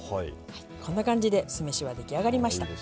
こんな感じで酢飯は出来上がりました。